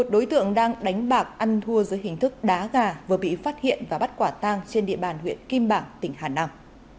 một mươi đối tượng đang đánh bạc ăn thua dưới hình thức đá gà vừa bị phát hiện và bắt quả tang trên địa bàn huyện kim bảng tỉnh hà nam